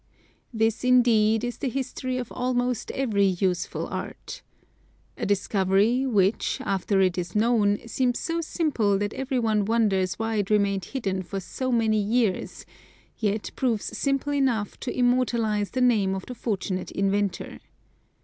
This, indeed, is the history of almost every useful art. A discovery, which, after it is known, seems so simple that every one wonders why it remained hidden for so many years, yet proves simple enough to immortalize the name of the fortunate inventor.